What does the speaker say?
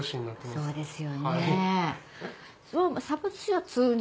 そうですね。